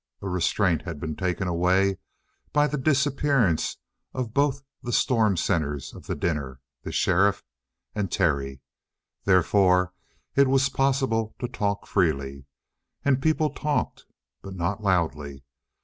A restraint had been taken away by the disappearance of both the storm centers of the dinner the sheriff and Terry. Therefore it was possible to talk freely. And people talked. But not loudly.